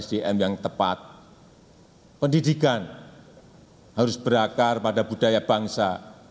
sdm yang tepat pendidikan harus berakar pada budaya bangsa